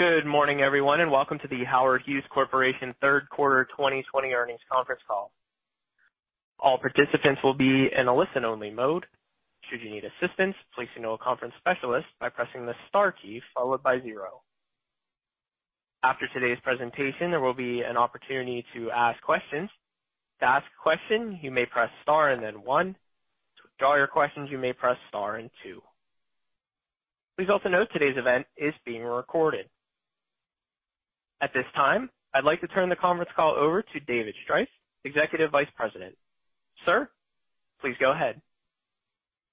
Good morning, everyone. Welcome to The Howard Hughes Corporation Third Quarter 2020 Earnings Conference Call. All participants will be in a listen-only mode. Should you need assistance, please signal a conference specialist by pressing the star key followed by zero. After today's presentation, there will be an opportunity to ask questions. To ask a question, you may press star and then one. To withdraw your questions, you may press star and two. Please also note today's event is being recorded. At this time, I'd like to turn the conference call over to David Striph, Executive Vice President. Sir, please go ahead.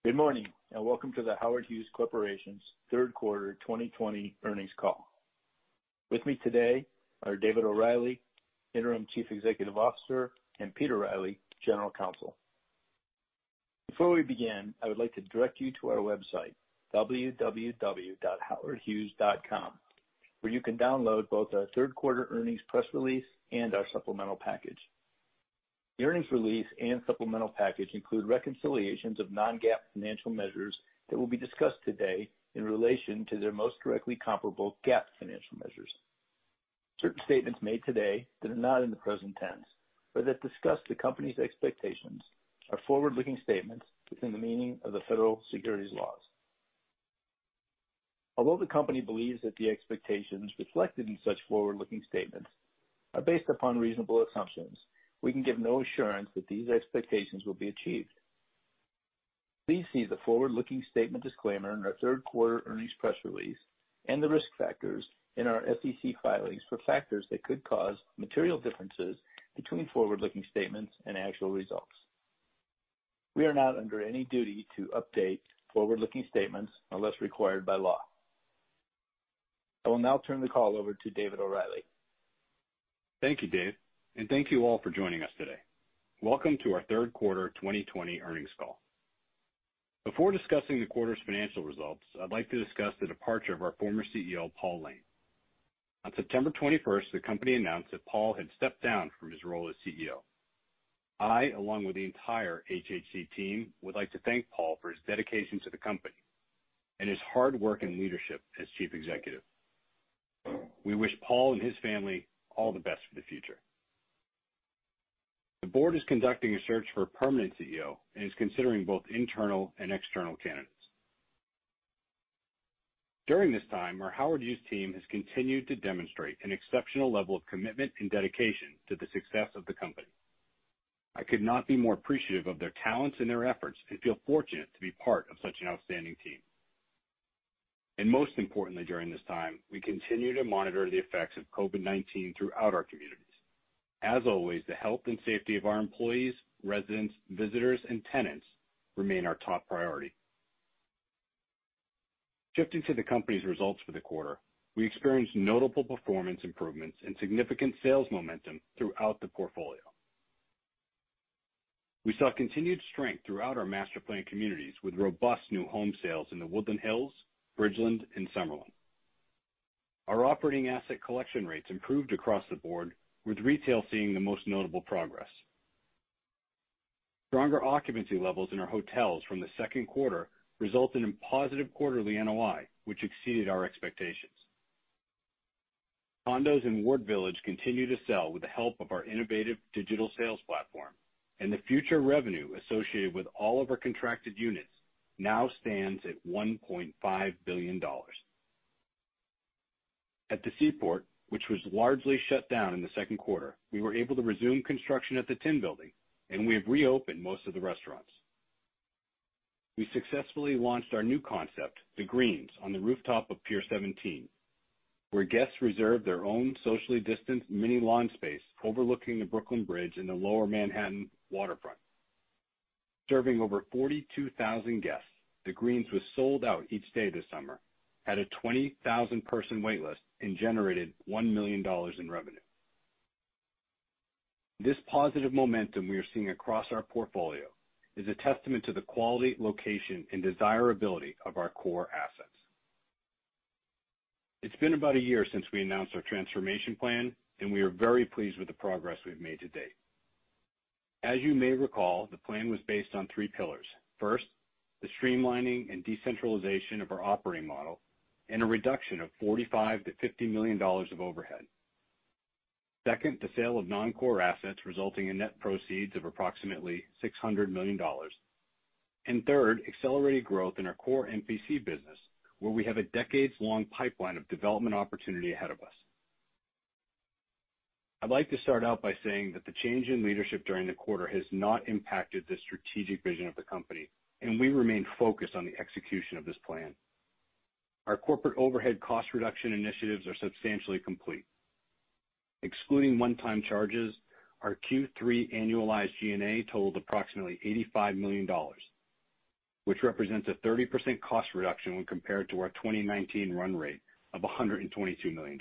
Good morning, welcome to The Howard Hughes Corporation's third quarter 2020 earnings call. With me today are David O'Reilly, Interim Chief Executive Officer, and Pete Riley, General Counsel. Before we begin, I would like to direct you to our website, www.howardhughes.com, where you can download both our third quarter earnings press release and our supplemental package. The earnings release and supplemental package include reconciliations of non-GAAP financial measures that will be discussed today in relation to their most directly comparable GAAP financial measures. Certain statements made today that are not in the present tense, or that discuss the company's expectations, are forward-looking statements within the meaning of the federal securities laws. Although the company believes that the expectations reflected in such forward-looking statements are based upon reasonable assumptions, we can give no assurance that these expectations will be achieved. Please see the forward-looking statement disclaimer in our third quarter earnings press release and the risk factors in our SEC filings for factors that could cause material differences between forward-looking statements and actual results. We are not under any duty to update forward-looking statements unless required by law. I will now turn the call over to David O'Reilly. Thank you, Dave, and thank you all for joining us today. Welcome to our third quarter 2020 earnings call. Before discussing the quarter's financial results, I'd like to discuss the departure of our former CEO, Paul Layne. On September 21st, the company announced that Paul had stepped down from his role as CEO. I, along with the entire HHC team, would like to thank Paul for his dedication to the company and his hard work and leadership as Chief Executive. We wish Paul and his family all the best for the future. The board is conducting a search for a permanent CEO and is considering both internal and external candidates. During this time, our Howard Hughes team has continued to demonstrate an exceptional level of commitment and dedication to the success of the company. I could not be more appreciative of their talents and their efforts, and feel fortunate to be part of such an outstanding team. Most importantly during this time, we continue to monitor the effects of COVID-19 throughout our communities. As always, the health and safety of our employees, residents, visitors, and tenants remain our top priority. Shifting to the company's results for the quarter, we experienced notable performance improvements and significant sales momentum throughout the portfolio. We saw continued strength throughout our master-planned communities with robust new home sales in The Woodlands Hills, Bridgeland, and Summerlin. Our operating asset collection rates improved across the board, with retail seeing the most notable progress. Stronger occupancy levels in our hotels from the second quarter resulted in positive quarterly NOI, which exceeded our expectations. Condos in Ward Village continue to sell with the help of our innovative digital sales platform, and the future revenue associated with all of our contracted units now stands at $1.5 billion. At the Seaport, which was largely shut down in the 2Q, we were able to resume construction at the Tin Building, and we have reopened most of the restaurants. We successfully launched our new concept, The Greens, on the rooftop of Pier 17, where guests reserve their own socially distant mini lawn space overlooking the Brooklyn Bridge and the Lower Manhattan waterfront. Serving over 42,000 guests, The Greens was sold out each day this summer, had a 20,000 person wait list, and generated $1 million in revenue. This positive momentum we are seeing across our portfolio is a testament to the quality, location, and desirability of our core assets. It's been about a year since we announced our transformation plan, and we are very pleased with the progress we've made to date. As you may recall, the plan was based on three pillars. First, the streamlining and decentralization of our operating model and a reduction of $45 million-$50 million of overhead. Second, the sale of non-core assets resulting in net proceeds of approximately $600 million. Third, accelerated growth in our core MPC business, where we have a decades-long pipeline of development opportunity ahead of us. I'd like to start out by saying that the change in leadership during the quarter has not impacted the strategic vision of the company, and we remain focused on the execution of this plan. Our corporate overhead cost reduction initiatives are substantially complete. Excluding 1x charges, our Q3 annualized G&A totaled approximately $85 million, which represents a 30% cost reduction when compared to our 2019 run rate of $122 million.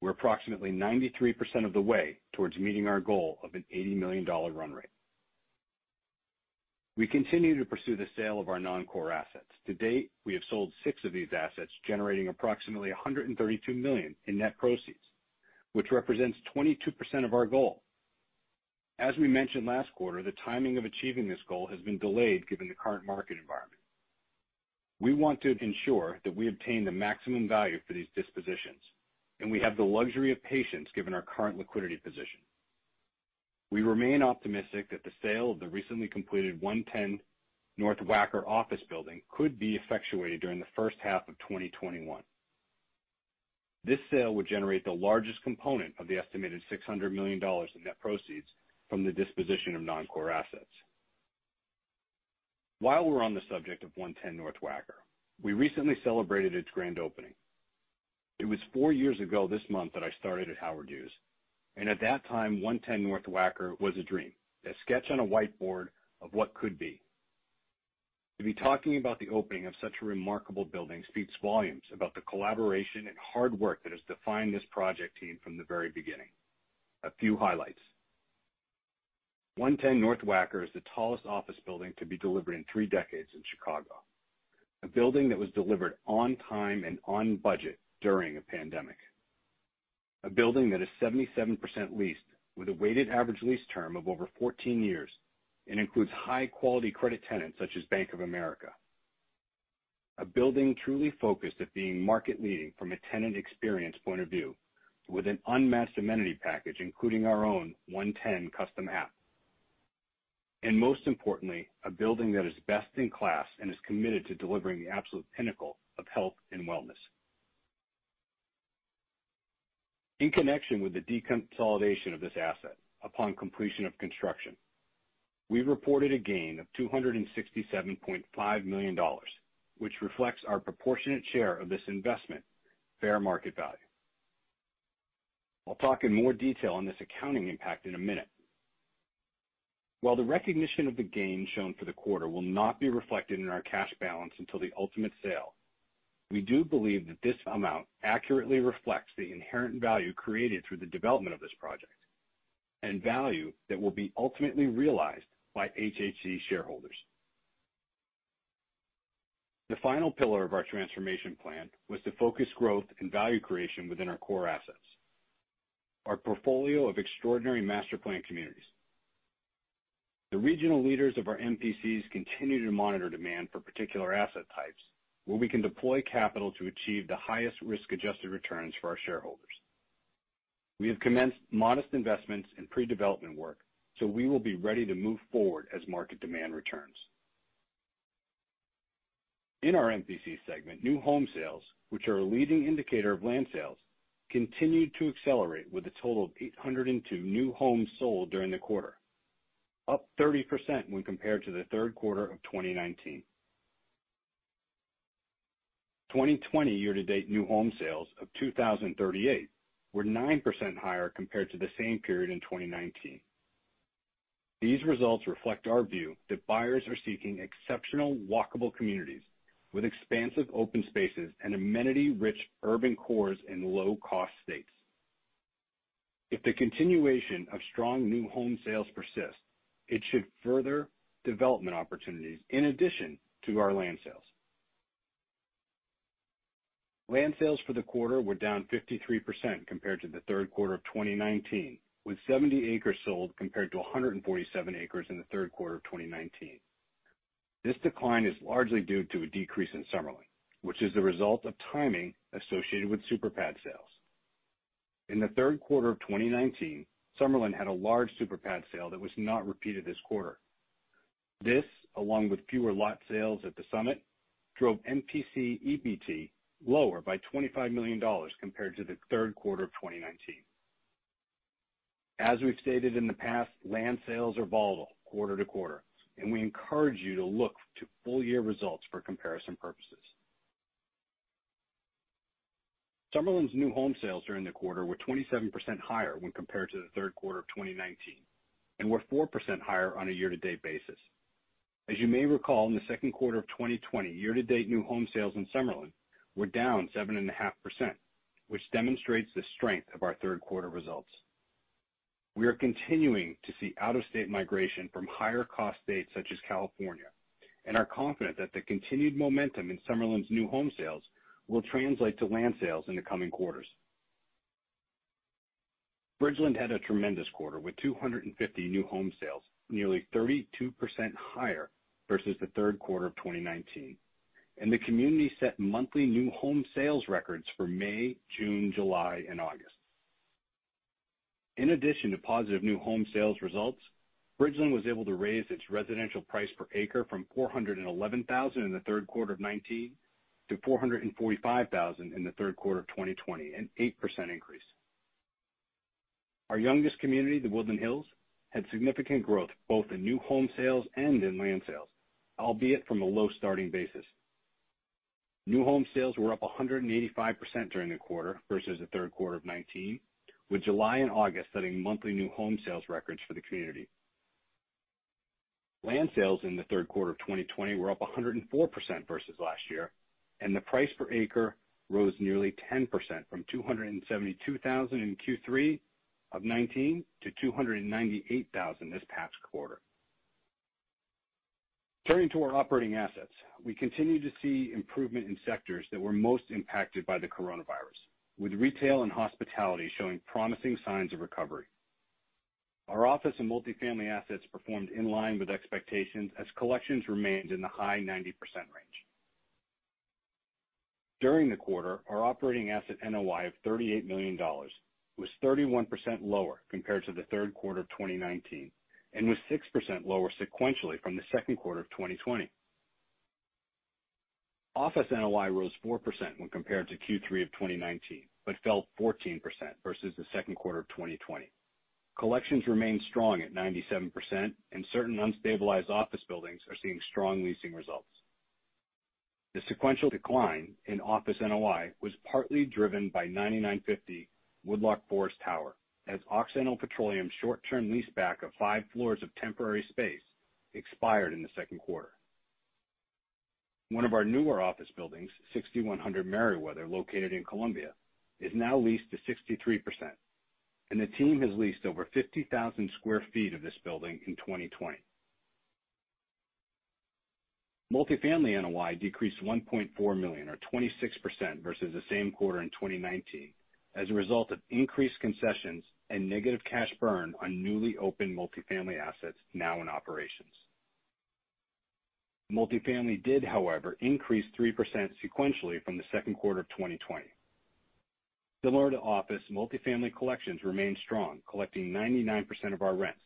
We're approximately 93% of the way towards meeting our goal of an $80 million run rate. We continue to pursue the sale of our non-core assets. To date, we have sold six of these assets, generating approximately $132 million in net proceeds, which represents 22% of our goal. As we mentioned last quarter, the timing of achieving this goal has been delayed given the current market environment. We want to ensure that we obtain the maximum value for these dispositions, and we have the luxury of patience given our current liquidity position. We remain optimistic that the sale of the recently completed 110 North Wacker office building could be effectuated during the first half of 2021. This sale would generate the largest component of the estimated $600 million in net proceeds from the disposition of non-core assets. While we're on the subject of 110 North Wacker, we recently celebrated its grand opening. It was four years ago this month that I started at Howard Hughes, and at that time, 110 North Wacker was a dream, a sketch on a whiteboard of what could be. To be talking about the opening of such a remarkable building speaks volumes about the collaboration and hard work that has defined this project team from the very beginning. A few highlights. 110 North Wacker is the tallest office building to be delivered in three decades in Chicago. A building that was delivered on time and on budget during a pandemic. A building that is 77% leased with a weighted average lease term of over 14 years and includes high-quality credit tenants such as Bank of America. A building truly focused at being market-leading from a tenant experience point of view, with an unmatched amenity package, including our own 110 custom app. Most importantly, a building that is best in class and is committed to delivering the absolute pinnacle of health and wellness. In connection with the deconsolidation of this asset upon completion of construction, we reported a gain of $267.5 million, which reflects our proportionate share of this investment fair market value. I'll talk in more detail on this accounting impact in a minute. While the recognition of the gain shown for the quarter will not be reflected in our cash balance until the ultimate sale, we do believe that this amount accurately reflects the inherent value created through the development of this project, and value that will be ultimately realized by HHC shareholders. The final pillar of our transformation plan was to focus growth and value creation within our core assets, our portfolio of extraordinary master planned communities. The regional leaders of our MPCs continue to monitor demand for particular asset types where we can deploy capital to achieve the highest risk-adjusted returns for our shareholders. We have commenced modest investments in pre-development work, so we will be ready to move forward as market demand returns. In our MPC segment, new home sales, which are a leading indicator of land sales, continued to accelerate with a total of 802 new homes sold during the quarter, up 30% when compared to the third quarter of 2019. 2020 year-to-date new home sales of 2,038 were 9% higher compared to the same period in 2019. These results reflect our view that buyers are seeking exceptional walkable communities with expansive open spaces and amenity-rich urban cores in low-cost states. If the continuation of strong new home sales persists, it should further development opportunities in addition to our land sales. Land sales for the quarter were down 53% compared to the third quarter of 2019, with 70 acres sold compared to 147 acres in the third quarter of 2019. This decline is largely due to a decrease in Summerlin, which is the result of timing associated with super pad sales. In the third quarter of 2019, Summerlin had a large super pad sale that was not repeated this quarter. This, along with fewer lot sales at the Summit, drove MPC EBT lower by $25 million compared to the third quarter of 2019. As we've stated in the past, land sales are volatile quarter-to-quarter, and we encourage you to look to full-year results for comparison purposes. Summerlin's new home sales during the quarter were 27% higher when compared to the third quarter of 2019 and were 4% higher on a year-to-date basis. As you may recall, in the second quarter of 2020, year-to-date new home sales in Summerlin were down 7.5%, which demonstrates the strength of our third quarter results. We are continuing to see out-of-state migration from higher cost states such as California, and are confident that the continued momentum in Summerlin's new home sales will translate to land sales in the coming quarters. Bridgeland had a tremendous quarter with 250 new home sales, nearly 32% higher versus the third quarter of 2019, and the community set monthly new home sales records for May, June, July, and August. In addition to positive new home sales results, Bridgeland was able to raise its residential price per acre from $411,000 in the third quarter of 2019 to $445,000 in the third quarter of 2020, an 8% increase. Our youngest community, The Woodlands Hills, had significant growth both in new home sales and in land sales, albeit from a low starting basis. New home sales were up 185% during the quarter versus the third quarter of 2019, with July and August setting monthly new home sales records for the community. Land sales in the third quarter of 2020 were up 104% versus last year, and the price per acre rose nearly 10% from $272,000 in Q3 2019 to $298,000 this past quarter. Turning to our operating assets. We continue to see improvement in sectors that were most impacted by the coronavirus, with retail and hospitality showing promising signs of recovery. Our office and multifamily assets performed in line with expectations as collections remained in the high 90% range. During the quarter, our operating asset NOI of $38 million was 31% lower compared to the third quarter of 2019, and was 6% lower sequentially from the second quarter of 2020. Office NOI rose 4% when compared to Q3 of 2019, but fell 14% versus the second quarter of 2020. Collections remained strong at 97%, and certain unstabilized office buildings are seeing strong leasing results. The sequential decline in office NOI was partly driven by 9950 Woodloch Forest Tower, as Occidental Petroleum's short-term leaseback of five floors of temporary space expired in the second quarter. One of our newer office buildings, 6100 Merriweather, located in Columbia, is now leased to 63%, and the team has leased over 50,000 sq ft of this building in 2020. Multifamily NOI decreased $1.4 million, or 26%, versus the same quarter in 2019, as a result of increased concessions and negative cash burn on newly opened multifamily assets now in operations. Multifamily did, however, increase 3% sequentially from the second quarter of 2020. Similar to office, multifamily collections remained strong, collecting 99% of our rents,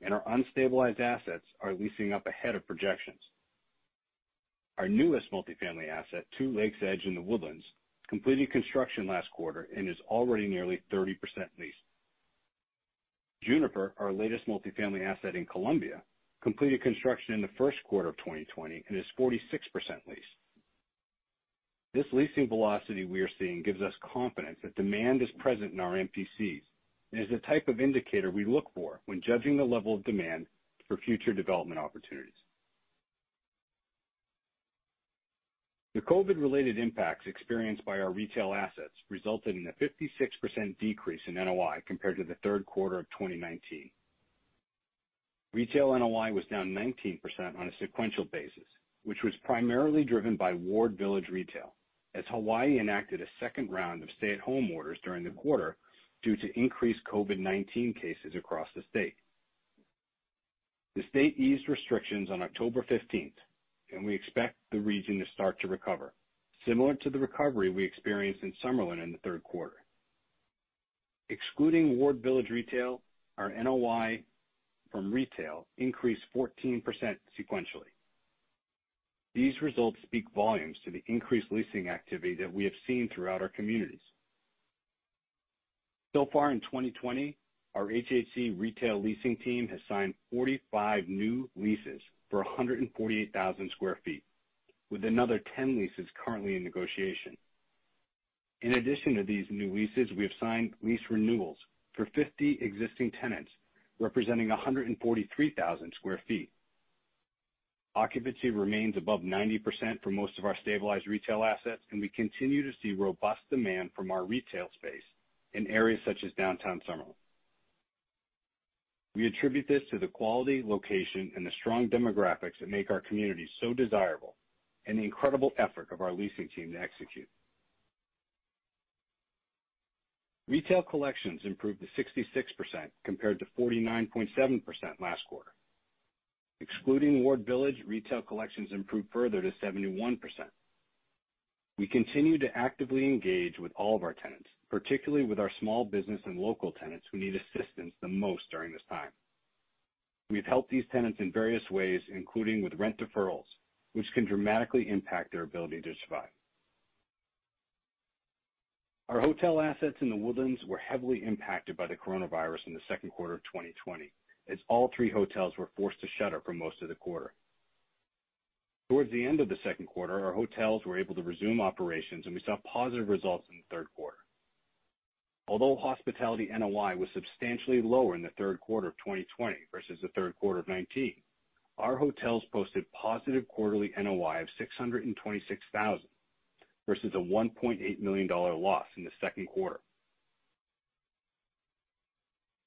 and our unstabilized assets are leasing up ahead of projections. Our newest multifamily asset, Two Lakes Edge in The Woodlands, completed construction last quarter and is already nearly 30% leased. Juniper, our latest multifamily asset in Columbia, completed construction in the first quarter of 2020 and is 46% leased. This leasing velocity we are seeing gives us confidence that demand is present in our MPCs and is the type of indicator we look for when judging the level of demand for future development opportunities. The COVID-related impacts experienced by our retail assets resulted in a 56% decrease in NOI compared to the third quarter of 2019. Retail NOI was down 19% on a sequential basis, which was primarily driven by Ward Village Retail, as Hawaii enacted a second round of stay-at-home orders during the quarter due to increased COVID-19 cases across the state. The state eased restrictions on October 15th, we expect the region to start to recover, similar to the recovery we experienced in Summerlin in the third quarter. Excluding Ward Village Retail, our NOI from retail increased 14% sequentially. These results speak volumes to the increased leasing activity that we have seen throughout our communities. So far in 2020, our HHC retail leasing team has signed 45 new leases for 148,000 sq ft, with another 10 leases currently in negotiation. In addition to these new leases, we have signed lease renewals for 50 existing tenants, representing 143,000 sq ft. Occupancy remains above 90% for most of our stabilized retail assets, and we continue to see robust demand from our retail space in areas such as Downtown Summerlin. We attribute this to the quality, location, and the strong demographics that make our community so desirable, and the incredible effort of our leasing team to execute. Retail collections improved to 66% compared to 49.7% last quarter. Excluding Ward Village, retail collections improved further to 71%. We continue to actively engage with all of our tenants, particularly with our small business and local tenants who need assistance the most during this time. We've helped these tenants in various ways, including with rent deferrals, which can dramatically impact their ability to survive. Our hotel assets in The Woodlands were heavily impacted by COVID-19 in the second quarter of 2020, as all three hotels were forced to shutter for most of the quarter. Towards the end of the second quarter, our hotels were able to resume operations, and we saw positive results in the third quarter. Although hospitality NOI was substantially lower in the third quarter of 2020 versus the third quarter of 2019, our hotels posted positive quarterly NOI of $626,000 versus a $1.8 million loss in the second quarter.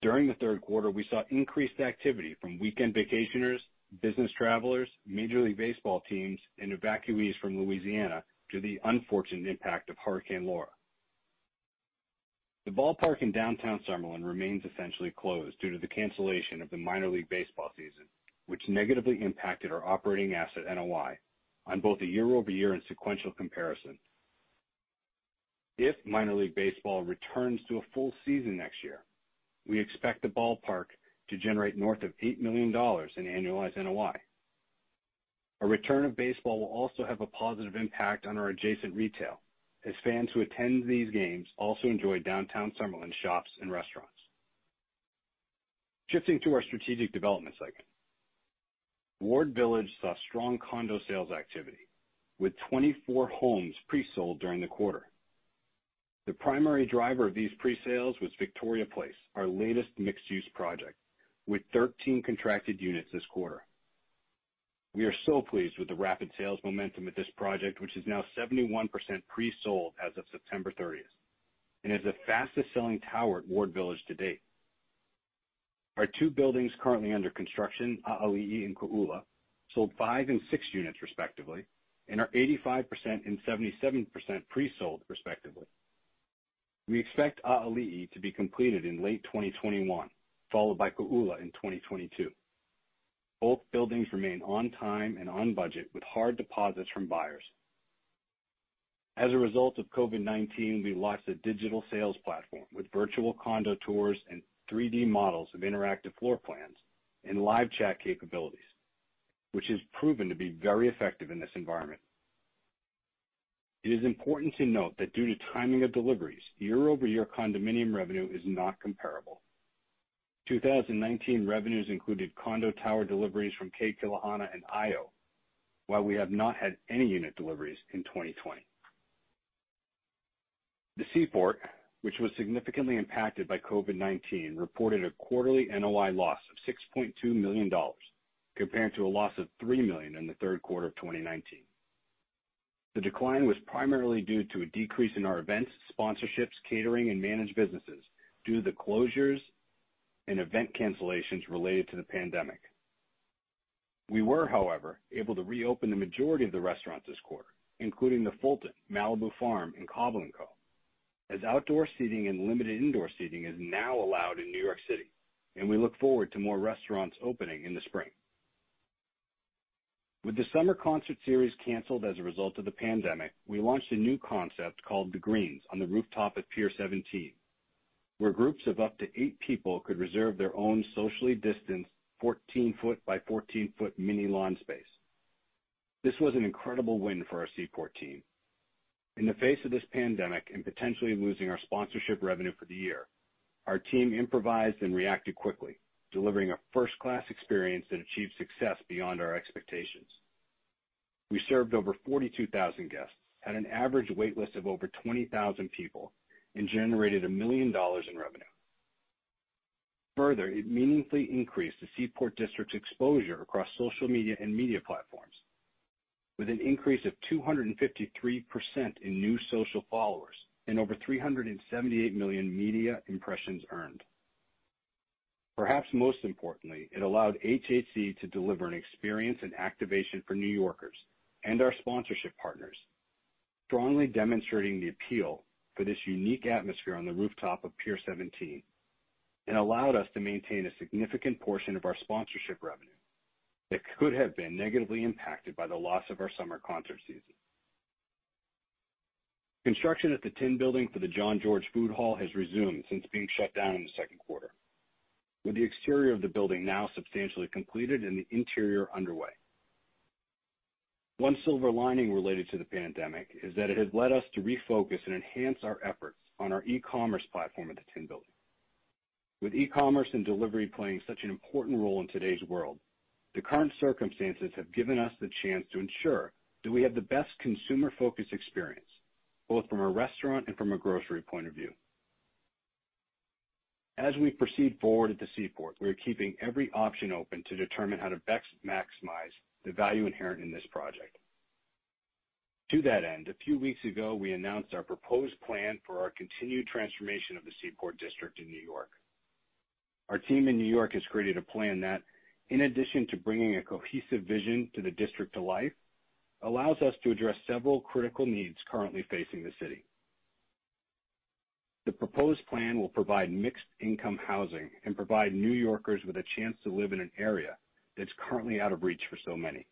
During the third quarter, we saw increased activity from weekend vacationers, business travelers, Major League Baseball teams, and evacuees from Louisiana due to the unfortunate impact of Hurricane Laura. The ballpark in Downtown Summerlin remains essentially closed due to the cancellation of the Minor League Baseball season, which negatively impacted our operating asset NOI on both a year-over-year and sequential comparison. If Minor League Baseball returns to a full season next year, we expect the ballpark to generate north of $8 million in annualized NOI. A return of baseball will also have a positive impact on our adjacent retail, as fans who attend these games also enjoy Downtown Summerlin's shops and restaurants. Shifting to our strategic development segment. Ward Village saw strong condo sales activity, with 24 homes pre-sold during the quarter. The primary driver of these pre-sales was Victoria Place, our latest mixed-use project, with 13 contracted units this quarter. We are so pleased with the rapid sales momentum at this project, which is now 71% pre-sold as of September 30th, and is the fastest-selling tower at Ward Village to date. Our two buildings currently under construction, A'ali'i and Ko'ula, sold five and six units respectively, and are 85% and 77% pre-sold respectively. We expect A'ali'i to be completed in late 2021, followed by Ko'ula in 2022. Both buildings remain on time and on budget with hard deposits from buyers. As a result of COVID-19, we launched a digital sales platform with virtual condo tours and 3D models of interactive floor plans and live chat capabilities, which has proven to be very effective in this environment. It is important to note that due to timing of deliveries, year-over-year condominium revenue is not comparable. 2019 revenues included condo tower deliveries from Ke Kilohana and Ae'o, while we have not had any unit deliveries in 2020. The Seaport, which was significantly impacted by COVID-19, reported a quarterly NOI loss of $6.2 million, compared to a loss of $3 million in the third quarter of 2019. The decline was primarily due to a decrease in our events, sponsorships, catering, and managed businesses due to the closures and event cancellations related to the pandemic. We were, however, able to reopen the majority of the restaurants this quarter, including The Fulton, Malibu Farm, and Cobble & Co., as outdoor seating and limited indoor seating is now allowed in New York City, and we look forward to more restaurants opening in the spring. With the summer concert series canceled as a result of the pandemic, we launched a new concept called The Greens on the rooftop of Pier 17, where groups of up to eight people could reserve their own socially distanced 14 ft by 14 ft mini lawn space. This was an incredible win for our Seaport team. In the face of this pandemic and potentially losing our sponsorship revenue for the year, our team improvised and reacted quickly, delivering a first-class experience that achieved success beyond our expectations. We served over 42,000 guests, had an average wait list of over 20,000 people, and generated $1 million in revenue. Further, it meaningfully increased the Seaport District's exposure across social media and media platforms, with an increase of 253% in new social followers and over 378 million media impressions earned. Perhaps most importantly, it allowed HHC to deliver an experience and activation for New Yorkers and our sponsorship partners, strongly demonstrating the appeal for this unique atmosphere on the rooftop of Pier 17, and allowed us to maintain a significant portion of our sponsorship revenue that could have been negatively impacted by the loss of our summer concert series. Construction at the Tin Building for the Jean-Georges Food Hall has resumed since being shut down in the second quarter, with the exterior of the building now substantially completed and the interior underway. One silver lining related to the pandemic is that it has led us to refocus and enhance our efforts on our e-commerce platform at the Tin Building. With e-commerce and delivery playing such an important role in today's world, the current circumstances have given us the chance to ensure that we have the best consumer-focused experience, both from a restaurant and from a grocery point of view. As we proceed forward at the Seaport, we are keeping every option open to determine how to best maximize the value inherent in this project. To that end, a few weeks ago, we announced our proposed plan for our continued transformation of the Seaport District in New York. Our team in New York has created a plan that, in addition to bringing a cohesive vision to the district to life, allows us to address several critical needs currently facing the city. The proposed plan will provide mixed-income housing and provide New Yorkers with a chance to live in an area that's currently out of reach for so many.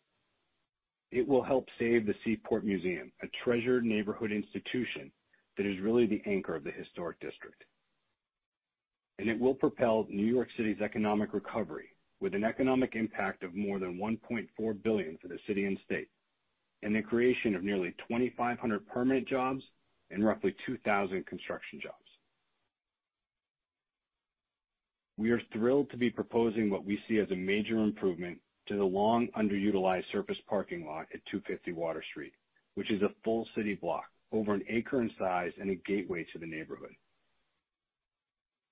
It will help save the Seaport Museum, a treasured neighborhood institution that is really the anchor of the historic district. It will propel New York City's economic recovery with an economic impact of more than $1.4 billion for the city and state, and the creation of nearly 2,500 permanent jobs and roughly 2,000 construction jobs. We are thrilled to be proposing what we see as a major improvement to the long underutilized surface parking lot at 250 Water Street, which is a full city block, over an acre in size, and a gateway to the neighborhood.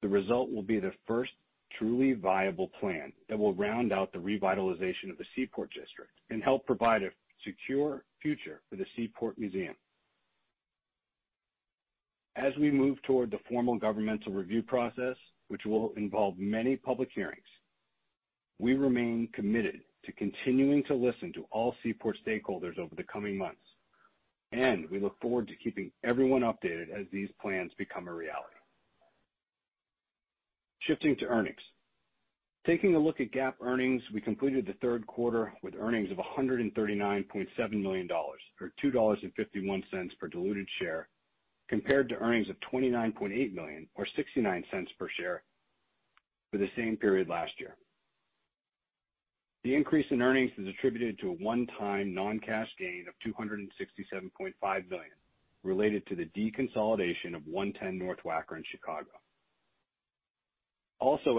The result will be the first truly viable plan that will round out the revitalization of the Seaport District and help provide a secure future for the Seaport Museum. As we move toward the formal governmental review process, which will involve many public hearings, we remain committed to continuing to listen to all Seaport stakeholders over the coming months, and we look forward to keeping everyone updated as these plans become a reality. Shifting to earnings. Taking a look at GAAP earnings, we completed the third quarter with earnings of $139.7 million, or $2.51 per diluted share, compared to earnings of $29.8 million, or $0.69 per share, for the same period last year. The increase in earnings is attributed to a 1x non-cash gain of $267.5 million related to the deconsolidation of 110 North Wacker in Chicago.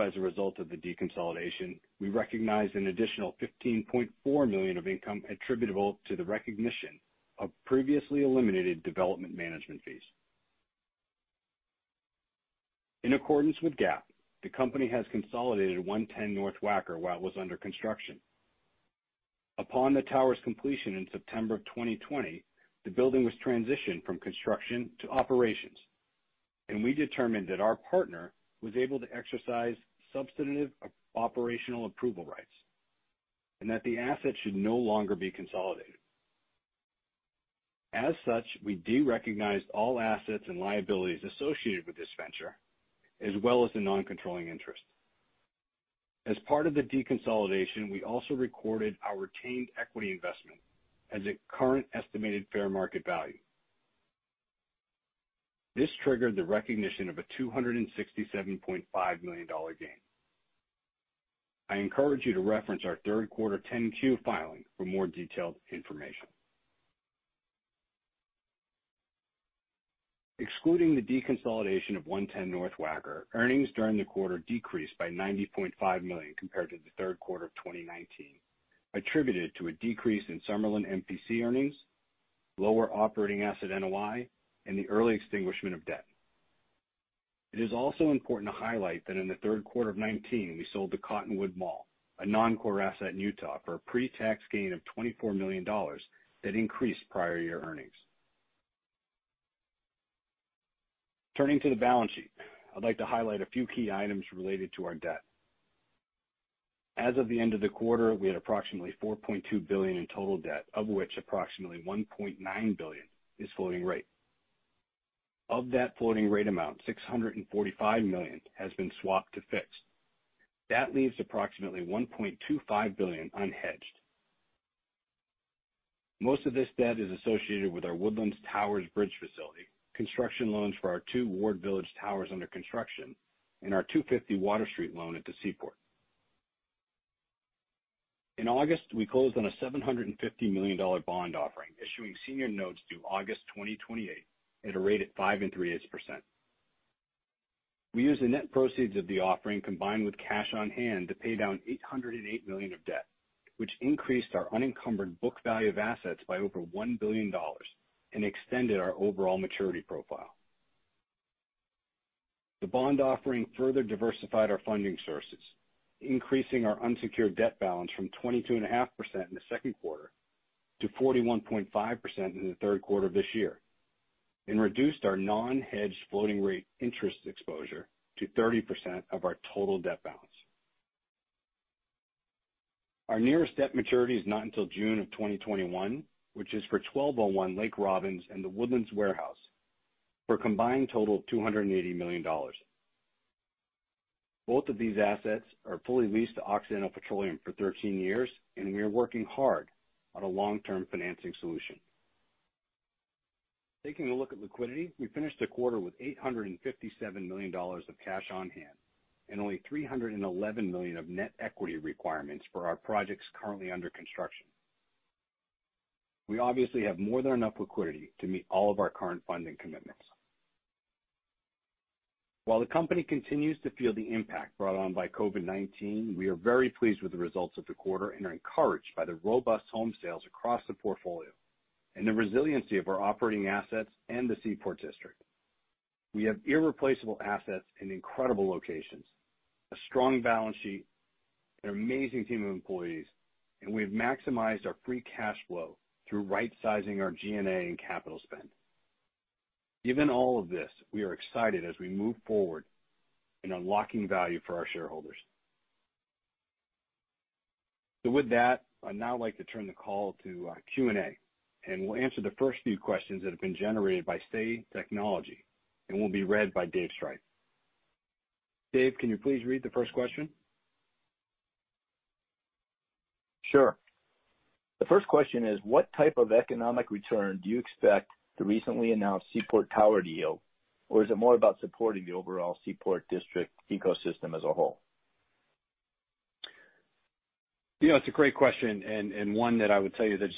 As a result of the deconsolidation, we recognized an additional $15.4 million of income attributable to the recognition of previously eliminated development management fees. In accordance with GAAP, the company has consolidated 110 North Wacker while it was under construction. Upon the tower's completion in September of 2020, the building was transitioned from construction to operations, and we determined that our partner was able to exercise substantive operational approval rights and that the asset should no longer be consolidated. As such, we derecognized all assets and liabilities associated with this venture, as well as the non-controlling interest. As part of the deconsolidation, we also recorded our retained equity investment as a current estimated fair market value. This triggered the recognition of a $267.5 million gain. I encourage you to reference our third quarter 10-Q filing for more detailed information. Excluding the deconsolidation of 110 North Wacker, earnings during the quarter decreased by $90.5 million compared to the third quarter of 2019, attributed to a decrease in Summerlin MPC earnings, lower operating asset NOI, and the early extinguishment of debt. It is also important to highlight that in the third quarter of 2019, we sold the Cottonwood Mall, a non-core asset in Utah, for a pre-tax gain of $24 million that increased prior year earnings. Turning to the balance sheet, I'd like to highlight a few key items related to our debt. As of the end of the quarter, we had approximately $4.2 billion in total debt, of which approximately $1.9 billion is floating rate. Of that floating rate amount, $645 million has been swapped to fixed. That leaves approximately $1.25 billion unhedged. Most of this debt is associated with our Woodlands Towers bridge facility, construction loans for our two Ward Village towers under construction, and our 250 Water Street loan at the Seaport. In August, we closed on a $750 million bond offering, issuing senior notes due August 2028 at a rate of 5.375%. We used the net proceeds of the offering, combined with cash on hand, to pay down $808 million of debt, which increased our unencumbered book value of assets by over $1 billion and extended our overall maturity profile. The bond offering further diversified our funding sources, increasing our unsecured debt balance from 22.5% in the second quarter to 41.5% in the third quarter of this year, and reduced our non-hedged floating rate interest exposure to 30% of our total debt balance. Our nearest debt maturity is not until June of 2021, which is for 1201 Lake Robbins and The Woodlands Waterway for a combined total of $280 million. Both of these assets are fully leased to Occidental Petroleum for 13 years. We are working hard on a long-term financing solution. Taking a look at liquidity, we finished the quarter with $857 million of cash on hand and only $311 million of net equity requirements for our projects currently under construction. We obviously have more than enough liquidity to meet all of our current funding commitments. While the company continues to feel the impact brought on by COVID-19, we are very pleased with the results of the quarter and are encouraged by the robust home sales across the portfolio and the resiliency of our operating assets and the Seaport District. We have irreplaceable assets in incredible locations, a strong balance sheet, an amazing team of employees, and we have maximized our free cash flow through right-sizing our G&A and capital spend. Given all of this, we are excited as we move forward in unlocking value for our shareholders. I'd now like to turn the call to Q&A, and we'll answer the first few questions that have been generated by Say Technologies and will be read by Dave Striph. Dave, can you please read the first question? Sure. The first question is, what type of economic return do you expect the recently announced Seaport Tower deal, or is it more about supporting the overall Seaport District ecosystem as a whole? It's a great question, one that I would tell you that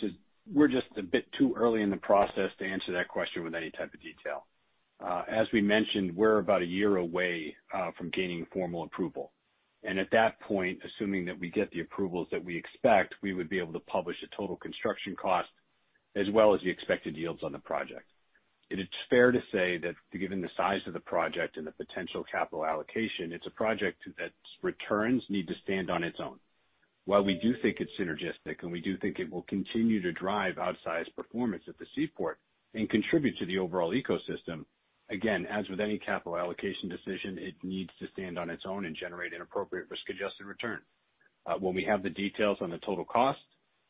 we're just a bit too early in the process to answer that question with any type of detail. As we mentioned, we're about a year away from gaining formal approval. At that point, assuming that we get the approvals that we expect, we would be able to publish a total construction cost as well as the expected yields on the project. It is fair to say that given the size of the project and the potential capital allocation, it's a project that's returns need to stand on its own. While we do think it's synergistic, and we do think it will continue to drive outsized performance at the Seaport and contribute to the overall ecosystem, again, as with any capital allocation decision, it needs to stand on its own and generate an appropriate risk-adjusted return. When we have the details on the total cost,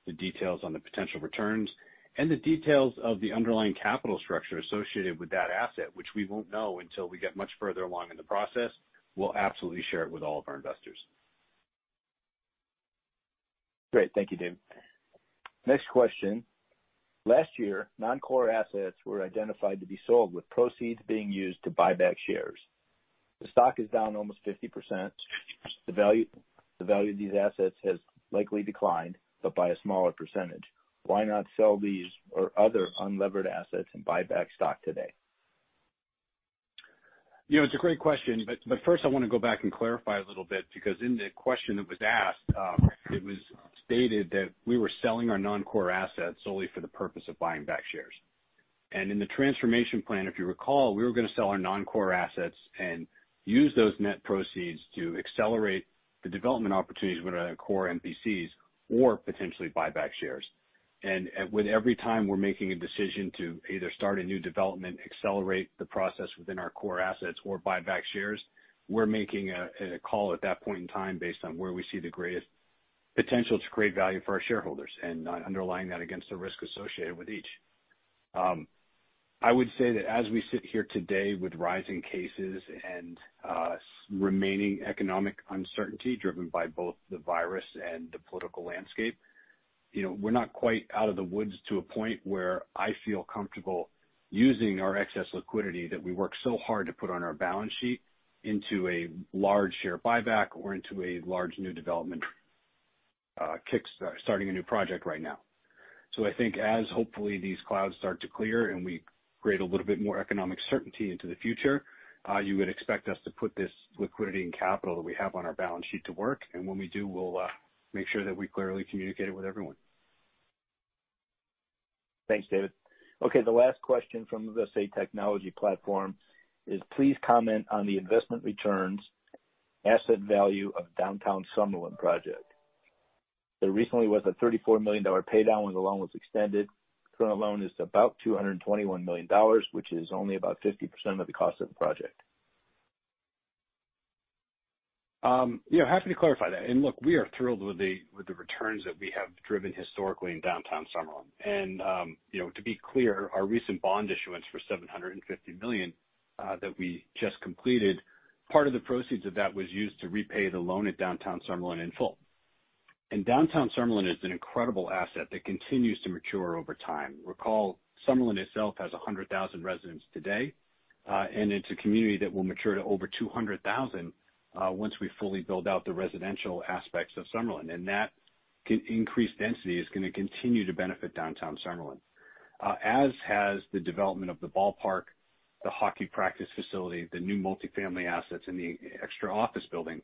the details on the potential returns, and the details of the underlying capital structure associated with that asset, which we won't know until we get much further along in the process, we'll absolutely share it with all of our investors. Great. Thank you, Dave. Next question. Last year, non-core assets were identified to be sold, with proceeds being used to buy back shares. The stock is down almost 50%. The value of these assets has likely declined, but by a smaller percentage. Why not sell these or other unlevered assets and buy back stock today? You know a great question but the first, I want to go back and clarify a little bit, because in the question that was asked, it was stated that we were selling our non-core assets solely for the purpose of buying back shares. In the transformation plan, if you recall, we were going to sell our non-core assets and use those net proceeds to accelerate the development opportunities within our core MPCs or potentially buy back shares. With every time we're making a decision to either start a new development, accelerate the process within our core assets, or buy back shares, we're making a call at that point in time based on where we see the greatest potential to create value for our shareholders and not underlying that against the risk associated with each. I would say that as we sit here today with rising cases and remaining economic uncertainty driven by both the virus and the political landscape, we're not quite out of the woods to a point where I feel comfortable using our excess liquidity that we worked so hard to put on our balance sheet into a large share buyback or into a large new development kickstart, starting a new project right now. I think as, hopefully, these clouds start to clear, and we create a little bit more economic certainty into the future, you would expect us to put this liquidity and capital that we have on our balance sheet to work. When we do, we'll make sure that we clearly communicate it with everyone. Thanks, Dave. Okay, the last question from the Say Technologies platform is please comment on the investment returns asset value of Downtown Summerlin project. There recently was a $34 million pay down when the loan was extended. Current loan is about $221 million, which is only about 50% of the cost of the project. Happy to clarify that. Look, we are thrilled with the returns that we have driven historically in Downtown Summerlin. To be clear, our recent bond issuance for $750 million that we just completed, part of the proceeds of that was used to repay the loan at Downtown Summerlin in full. Downtown Summerlin is an incredible asset that continues to mature over time. Recall, Summerlin itself has 100,000 residents today, and it's a community that will mature to over 200,000 once we fully build out the residential aspects of Summerlin. That increased density is going to continue to benefit Downtown Summerlin. As has the development of the ballpark, the hockey practice facility, the new multifamily assets, and the extra office building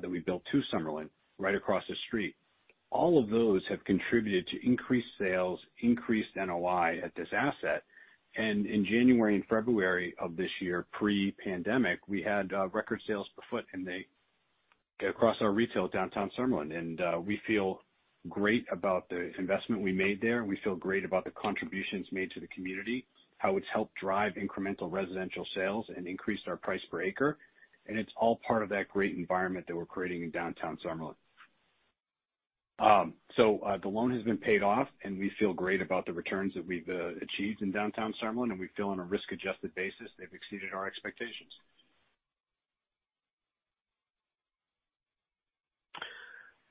that we built to Summerlin right across the street. All of those have contributed to increased sales, increased NOI at this asset. In January and February of this year, pre-pandemic, we had record sales per foot and across our retail at Downtown Summerlin. We feel great about the investment we made there, and we feel great about the contributions made to the community, how it's helped drive incremental residential sales and increased our price per acre. It's all part of that great environment that we're creating in Downtown Summerlin. The loan has been paid off, and we feel great about the returns that we've achieved in Downtown Summerlin, and we feel on a risk-adjusted basis, they've exceeded our expectations.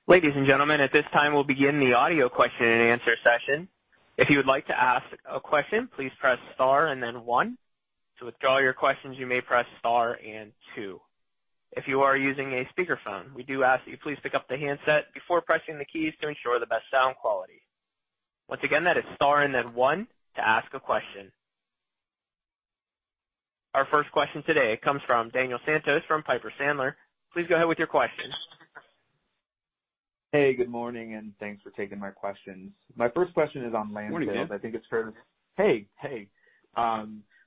Ladies and gentlemen, at this time we'll begin the audio question and answer session. If you would like to ask a question, please press star and then one. To withdraw your questions, you may press star and two. If you are using a speakerphone, we do ask that you please pick up the handset before pressing the keys to ensure the best sound quality. Once again, that is star and then one to ask a question. Our first question today comes from Daniel Santos from Piper Sandler. Please go ahead with your question. Hey, good morning. Thanks for taking my questions. My first question is on land sales. Morning, Dan. Hey.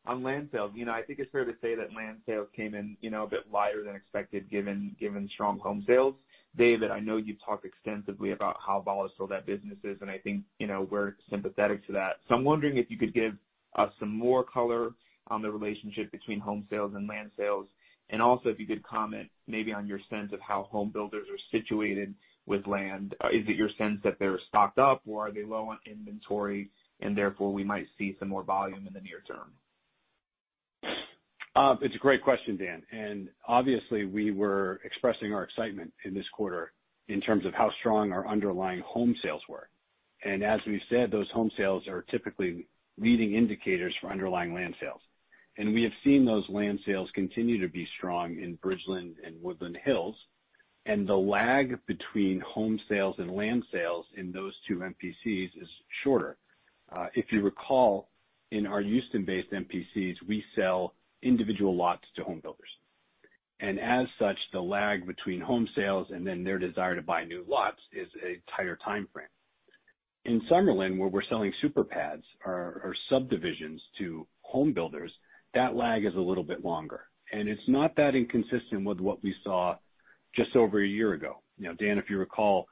On land sales. I think it's fair to say that land sales came in a bit lighter than expected given strong home sales. David, I know you talked extensively about how volatile that business is, and I think we're sympathetic to that. I'm wondering if you could give us some more color on the relationship between home sales and land sales, and also if you could comment maybe on your sense of how home builders are situated with land. Is it your sense that they're stocked up, or are they low on inventory, and therefore we might see some more volume in the near term? It's a great question, Dan. Obviously, we were expressing our excitement in this quarter in terms of how strong our underlying home sales were. As we've said, those home sales are typically leading indicators for underlying land sales. We have seen those land sales continue to be strong in Bridgeland and The Woodlands Hills, and the lag between home sales and land sales in those two MPCs is shorter. If you recall, in our Houston-based MPCs, we sell individual lots to home builders. As such, the lag between home sales and then their desire to buy new lots is a tighter timeframe. In Summerlin, where we're selling super pads or subdivisions to home builders, that lag is a little bit longer. It's not that inconsistent with what we saw just over a year ago. Dan, if you recall,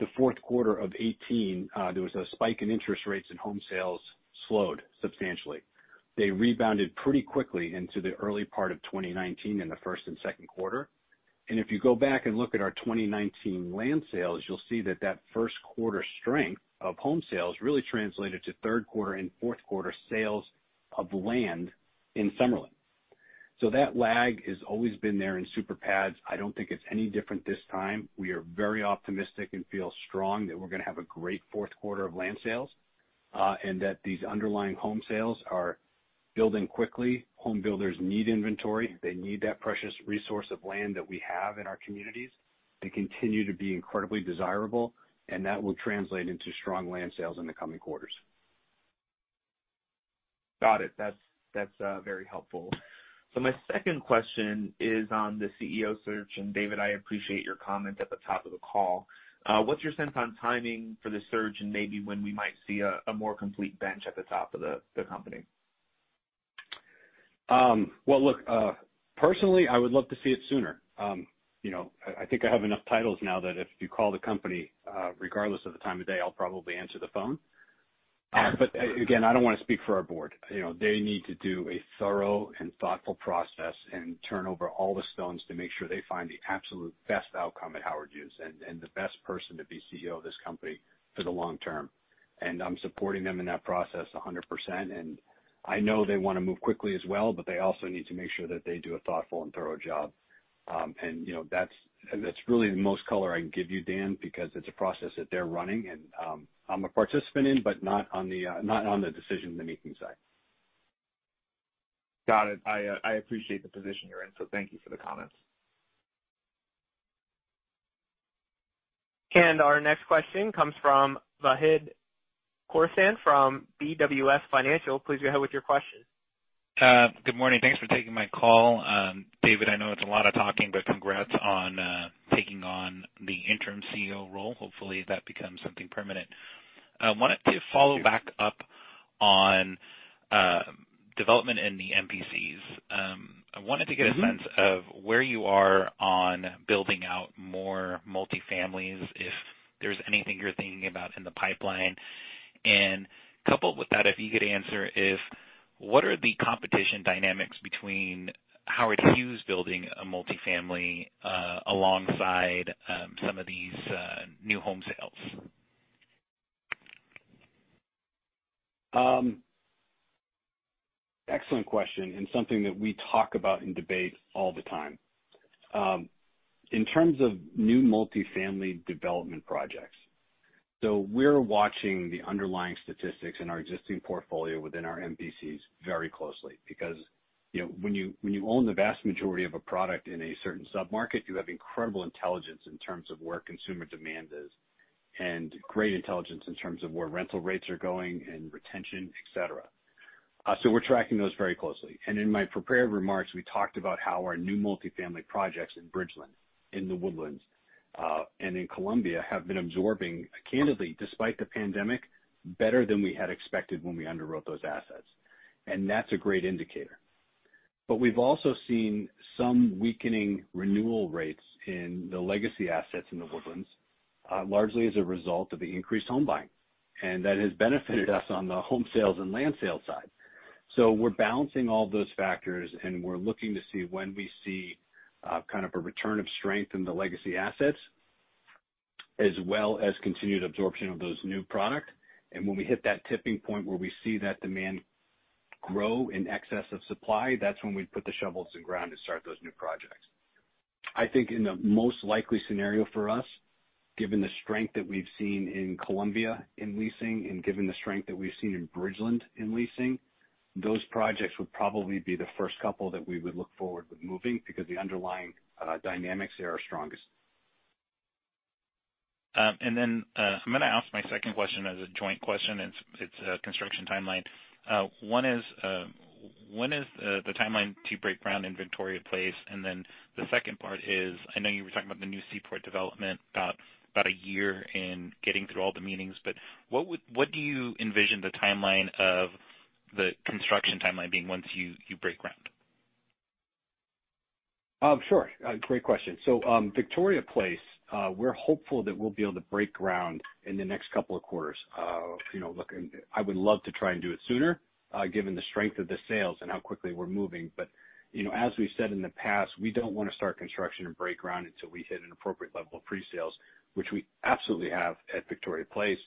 the fourth quarter of 2018, there was a spike in interest rates, and home sales slowed substantially. They rebounded pretty quickly into the early part of 2019 in the first and second quarter. If you go back and look at our 2019 land sales, you'll see that first quarter strength of home sales really translated to third quarter and fourth quarter sales of land in Summerlin. That lag has always been there in super pads. I don't think it's any different this time. We are very optimistic and feel strong that we're going to have a great fourth quarter of land sales, and that these underlying home sales are building quickly. Home builders need inventory. They need that precious resource of land that we have in our communities. They continue to be incredibly desirable. That will translate into strong land sales in the coming quarters. Got it. That's very helpful. My second question is on the CEO search. David, I appreciate your comment at the top of the call. What's your sense on timing for the search and maybe when we might see a more complete bench at the top of the company? Well, look, personally, I would love to see it sooner. I think I have enough titles now that if you call the company, regardless of the time of day, I'll probably answer the phone. Again, I don't want to speak for our board. They need to do a thorough and thoughtful process and turn over all the stones to make sure they find the absolute best outcome at Howard Hughes and the best person to be CEO of this company for the long term. I'm supporting them in that process 100%. I know they want to move quickly as well, but they also need to make sure that they do a thoughtful and thorough job. That's really the most color I can give you, Dan, because it's a process that they're running, and I'm a participant in, but not on the decision and the meeting side. Got it. I appreciate the position you're in. Thank you for the comments. Our next question comes from Vahid Khorsand from BWS Financial. Please go ahead with your question. Good morning. Thanks for taking my call. David, I know it's a lot of talking. Congrats on taking on the Interim CEO role. Hopefully, that becomes something permanent. I wanted to follow back up on development in the MPCs. I wanted to get a sense of where you are on building out more multi-families, if there's anything you're thinking about in the pipeline. Coupled with that, if you could answer is, what are the competition dynamics between Howard Hughes building a multifamily alongside some of these new home sales? Excellent question, and something that we talk about and debate all the time. In terms of new multifamily development projects. We're watching the underlying statistics in our existing portfolio within our MPCs very closely. When you own the vast majority of a product in a certain sub-market, you have incredible intelligence in terms of where consumer demand is, and great intelligence in terms of where rental rates are going and retention, et cetera. We're tracking those very closely. In my prepared remarks, we talked about how our new multifamily projects in Bridgeland, in The Woodlands, and in Columbia have been absorbing candidly, despite the pandemic, better than we had expected when we underwrote those assets. That's a great indicator. We've also seen some weakening renewal rates in the legacy assets in The Woodlands, largely as a result of the increased home buying. That has benefited us on the home sales and land sale side. We're balancing all those factors, and we're looking to see when we see kind of a return of strength in the legacy assets, as well as continued absorption of those new product. When we hit that tipping point where we see that demand grow in excess of supply, that's when we put the shovels in the ground to start those new projects. I think in the most likely scenario for us, given the strength that we've seen in Columbia in leasing and given the strength that we've seen in Bridgeland in leasing, those projects would probably be the first couple that we would look forward with moving because the underlying dynamics there are strongest. I'm going to ask my second question as a joint question, and it's construction timeline. One is, when is the timeline to break ground in Victoria Place? The second part is, I know you were talking about the new Seaport development, about a year in getting through all the meetings, but what do you envision the timeline of the construction timeline being once you break ground? Sure. Great question. Victoria Place, we're hopeful that we'll be able to break ground in the next couple of quarters. I would love to try and do it sooner, given the strength of the sales and how quickly we're moving. As we've said in the past, we don't want to start construction and break ground until we hit an appropriate level of pre-sales, which we absolutely have at Victoria Place,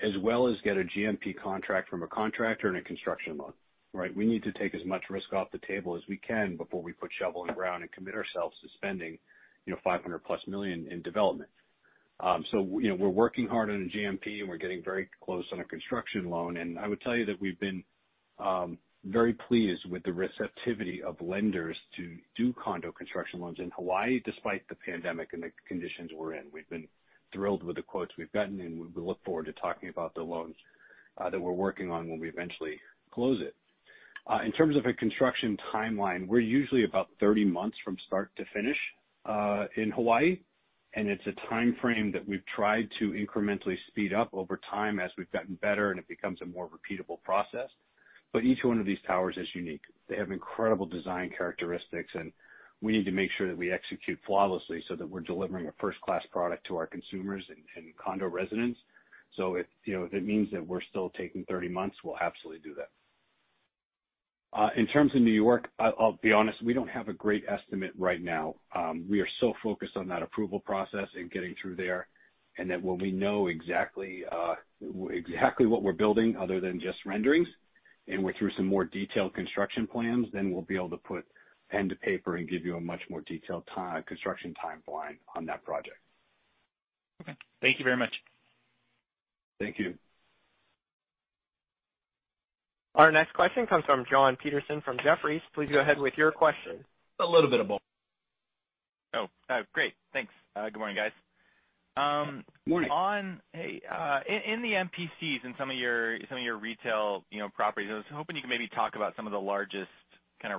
as well as get a GMP contract from a contractor and a construction loan. Right? We need to take as much risk off the table as we can before we put shovel in the ground and commit ourselves to spending $500+ million in development. We're working hard on a GMP, and we're getting very close on a construction loan. I would tell you that we've been very pleased with the receptivity of lenders to do condo construction loans in Hawaii, despite the pandemic and the conditions we're in. We've been thrilled with the quotes we've gotten, and we look forward to talking about the loans that we're working on when we eventually close it. In terms of a construction timeline, we're usually about 30 months from start to finish, in Hawaii. It's a timeframe that we've tried to incrementally speed up over time as we've gotten better, and it becomes a more repeatable process. Each one of these towers is unique. They have incredible design characteristics, and we need to make sure that we execute flawlessly so that we're delivering a first-class product to our consumers and condo residents. If it means that we're still taking 30 months, we'll absolutely do that. In terms of New York, I'll be honest, we don't have a great estimate right now. We are so focused on that approval process and getting through there, and that when we know exactly what we're building other than just renderings, and we're through some more detailed construction plans, then we'll be able to put pen to paper and give you a much more detailed construction timeline on that project. Okay. Thank you very much. Thank you. Our next question comes from Jon Petersen from Jefferies. Please go ahead with your question. A little bit of both. Oh, great. Thanks. Good morning, guys. Morning. In the MPCs, in some of your retail properties, I was hoping you could maybe talk about some of the largest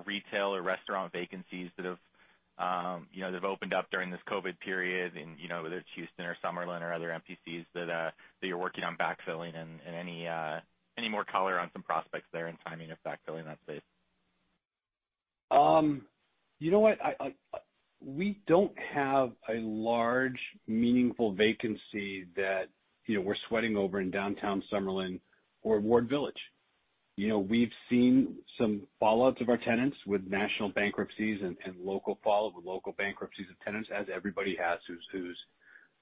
retail or restaurant vacancies that have opened up during this COVID period, and whether it's Houston or Summerlin or other MPCs that you're working on backfilling and any more color on some prospects there and timing of backfilling that space. You know what? We don't have a large, meaningful vacancy that we're sweating over in Downtown Summerlin or Ward Village. We've seen some fallouts of our tenants with national bankruptcies and local fallout with local bankruptcies of tenants, as everybody has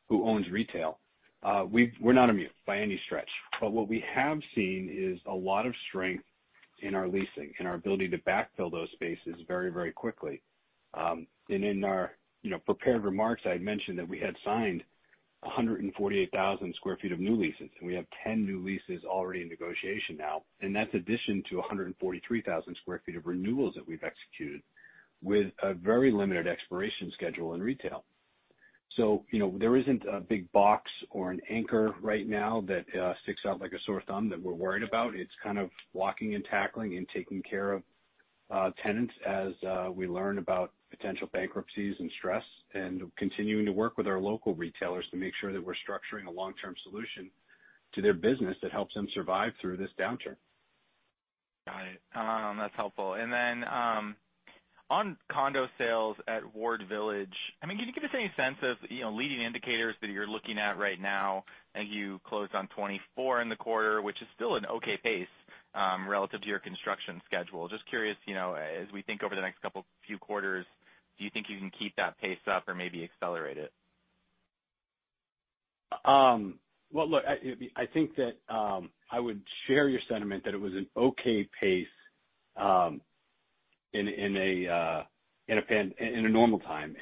who owns retail. We're not immune, by any stretch. What we have seen is a lot of strength in our leasing and our ability to backfill those spaces very quickly. In our prepared remarks, I had mentioned that we had signed 148,000 sq ft of new leases, and we have 10 new leases already in negotiation now. That's addition to 143,000 sq ft of renewals that we've executed with a very limited expiration schedule in retail. There isn't a big box or an anchor right now that sticks out like a sore thumb that we're worried about. It's kind of blocking and tackling and taking care of tenants as we learn about potential bankruptcies and stress, and continuing to work with our local retailers to make sure that we're structuring a long-term solution to their business that helps them survive through this downturn. Got it. That's helpful. On condo sales at Ward Village, can you give us any sense of leading indicators that you're looking at right now? I think you closed on 24 in the quarter, which is still an okay pace, relative to your construction schedule. Just curious, as we think over the next few quarters, do you think you can keep that pace up or maybe accelerate it? I think that I would share your sentiment that it was an okay pace in a normal time.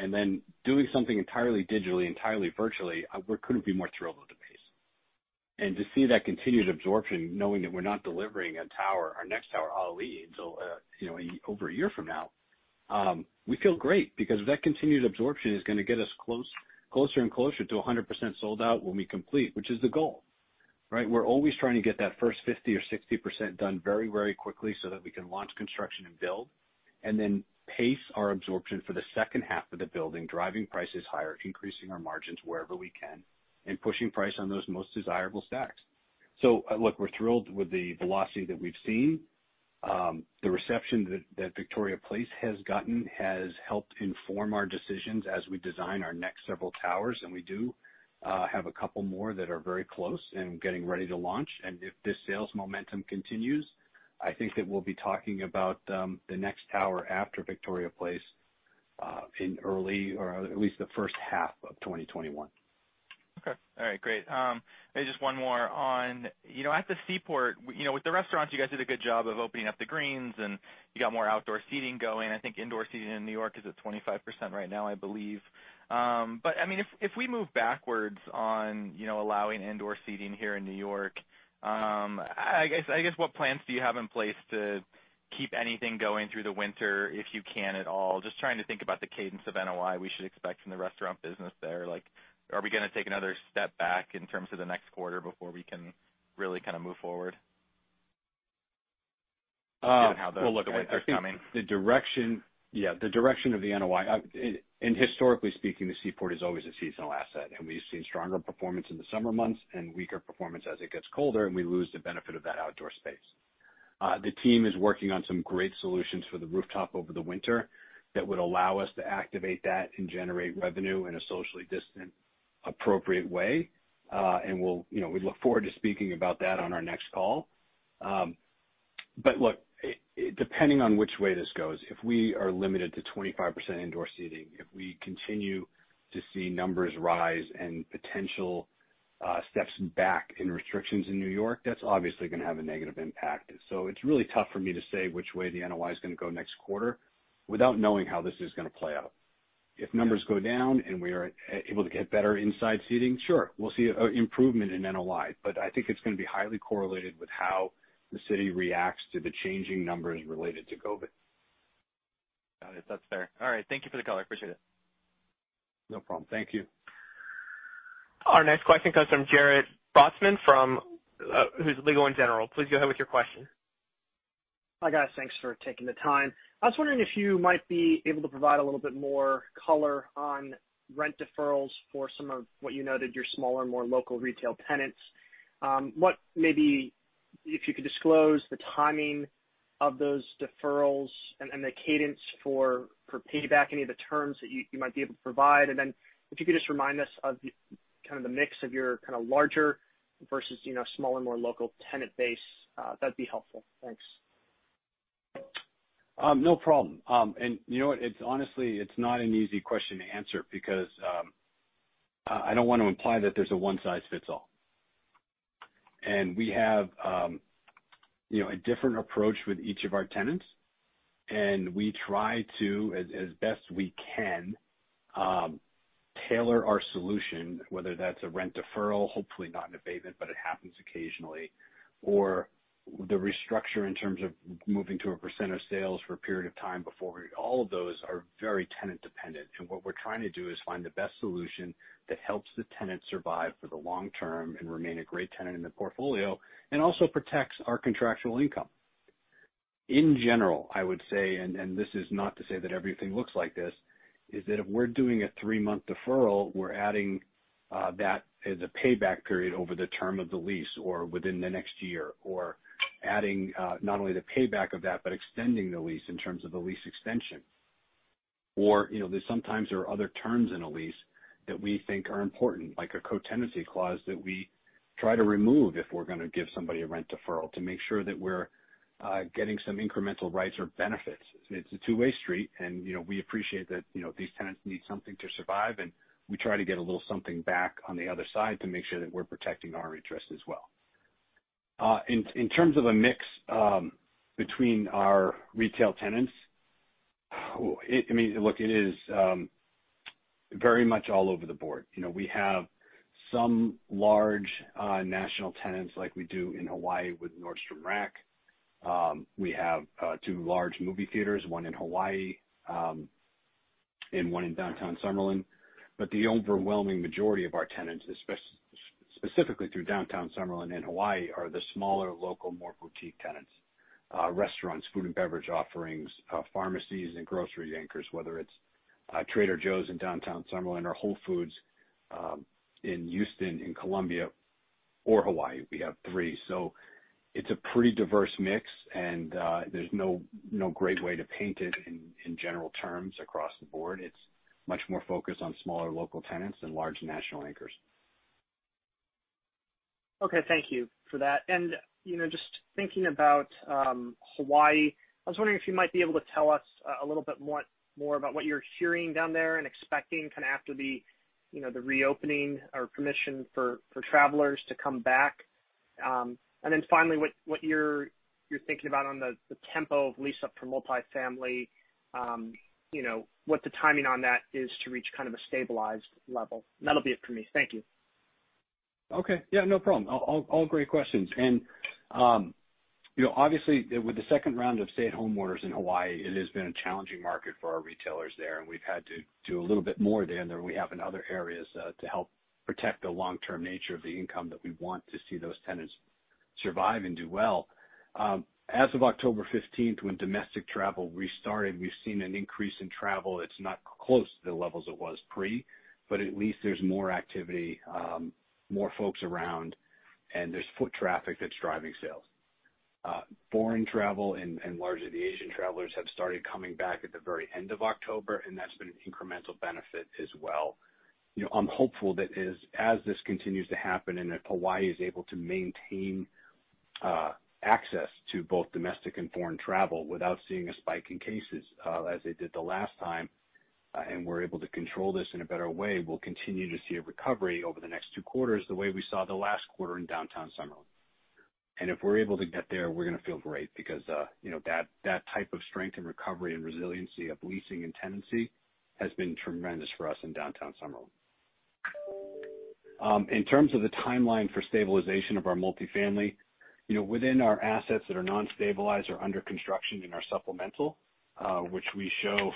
Doing something entirely digitally, entirely virtually, we couldn't be more thrilled with the pace. To see that continued absorption, knowing that we're not delivering a tower, our next tower, A'li'i, until over one year from now, we feel great because that continued absorption is going to get us closer and closer to 100% sold out when we complete, which is the goal, right? We're always trying to get that first 50% or 60% done very quickly so that we can launch construction and build, and then pace our absorption for the second half of the building, driving prices higher, increasing our margins wherever we can, and pushing price on those most desirable stacks. We're thrilled with the velocity that we've seen. The reception that Victoria Place has gotten has helped inform our decisions as we design our next several towers, and we do have a couple more that are very close and getting ready to launch. If this sales momentum continues, I think that we'll be talking about the next tower after Victoria Place in early or at least the first half of 2021. Okay. All right, great. Maybe just one more. At the Seaport District, with the restaurants, you guys did a good job of opening up The Greens, and you got more outdoor seating going. I think indoor seating in New York is at 25% right now, I believe. If we move backwards on allowing indoor seating here in New York, I guess, what plans do you have in place to keep anything going through the winter, if you can at all? Just trying to think about the cadence of NOI we should expect from the restaurant business there. Are we going to take another step back in terms of the next quarter before we can really kind of move forward? We'll look at that. I think the direction of the NOI. Historically speaking, the Seaport is always a seasonal asset, and we've seen stronger performance in the summer months and weaker performance as it gets colder, and we lose the benefit of that outdoor space. The team is working on some great solutions for the rooftop over the winter that would allow us to activate that and generate revenue in a socially distant, appropriate way. We look forward to speaking about that on our next call. Look, depending on which way this goes, if we are limited to 25% indoor seating, if we continue to see numbers rise and potential steps back in restrictions in New York, that's obviously going to have a negative impact. It's really tough for me to say which way the NOI is going to go next quarter without knowing how this is going to play out. If numbers go down and we are able to get better inside seating, sure, we'll see improvement in NOI. I think it's going to be highly correlated with how the city reacts to the changing numbers related to COVID. Got it. That's fair. All right. Thank you for the color. Appreciate it. No problem. Thank you. Our next question comes from [Jared Binstock, who's Legal & General]. Please go ahead with your question. Hi, guys. Thanks for taking the time. I was wondering if you might be able to provide a little bit more color on rent deferrals for some of what you noted, your smaller, more local retail tenants. What maybe, if you could disclose the timing of those deferrals and the cadence for payback, any of the terms that you might be able to provide. If you could just remind us of the mix of your larger versus smaller, more local tenant base, that'd be helpful. Thanks. No problem. You know what? Honestly, it's not an easy question to answer because I don't want to imply that there's a one size fits all. We have a different approach with each of our tenants, and we try to, as best we can, tailor our solution, whether that's a rent deferral, hopefully not an abatement, but it happens occasionally, or the restructure in terms of moving to a percent of sales for a period of time. All of those are very tenant dependent. What we're trying to do is find the best solution that helps the tenant survive for the long term and remain a great tenant in the portfolio and also protects our contractual income. In general, I would say, and this is not to say that everything looks like this, is that if we're doing a three-month deferral, we're adding that as a payback period over the term of the lease or within the next year, or adding not only the payback of that, but extending the lease in terms of the lease extension. Sometimes there are other terms in a lease that we think are important, like a co-tenancy clause that we try to remove if we're going to give somebody a rent deferral to make sure that we're getting some incremental rights or benefits. It's a two-way street, and we appreciate that these tenants need something to survive, and we try to get a little something back on the other side to make sure that we're protecting our interests as well. In terms of a mix between our retail tenants, look, it is very much all over the board. We have some large national tenants like we do in Hawaii with Nordstrom Rack. We have two large movie theaters, one in Hawaii, and one in Downtown Summerlin. The overwhelming majority of our tenants, specifically through Downtown Summerlin and Hawaii, are the smaller, local, more boutique tenants. Restaurants, food and beverage offerings, pharmacies, and grocery anchors, whether it's Trader Joe's in Downtown Summerlin or Whole Foods in Houston, in Columbia or Hawaii. We have three. It's a pretty diverse mix, and there's no great way to paint it in general terms across the board. It's much more focused on smaller local tenants than large national anchors. Okay. Thank you for that. Just thinking about Hawaii, I was wondering if you might be able to tell us a little bit more about what you're hearing down there and expecting after the reopening or permission for travelers to come back. Then finally, what you're thinking about on the tempo of lease up for multifamily, what the timing on that is to reach kind of a stabilized level. That'll be it for me. Thank you. Okay. Yeah, no problem. All great questions. Obviously, with the second round of stay-at-home orders in Hawaii, it has been a challenging market for our retailers there, and we've had to do a little bit more there than we have in other areas to help protect the long-term nature of the income that we want to see those tenants survive and do well. As of October 15th, when domestic travel restarted, we've seen an increase in travel. It's not close to the levels it was pre, but at least there's more activity, more folks around, and there's foot traffic that's driving sales. Foreign travel and largely the Asian travelers have started coming back at the very end of October, and that's been an incremental benefit as well. I'm hopeful that as this continues to happen, if Hawaii is able to maintain access to both domestic and foreign travel without seeing a spike in cases as they did the last time, and we're able to control this in a better way, we'll continue to see a recovery over the next two quarters the way we saw the last quarter in Downtown Summerlin. If we're able to get there, we're going to feel great because that type of strength and recovery and resiliency of leasing and tenancy has been tremendous for us in Downtown Summerlin. In terms of the timeline for stabilization of our multifamily, within our assets that are non-stabilized or under construction in our supplemental, which we show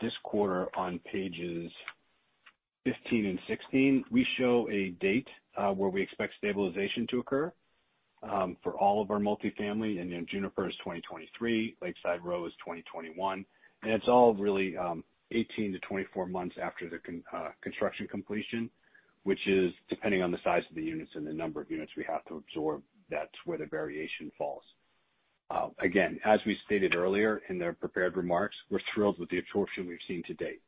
this quarter on pages 15 and 16. We show a date where we expect stabilization to occur for all of our multifamily. Juniper is 2023, Lakeside Row is 2021, and it's all really 18-24 months after the construction completion, which is depending on the size of the units and the number of units we have to absorb. That's where the variation falls. Again, as we stated earlier in the prepared remarks, we're thrilled with the absorption we've seen to date.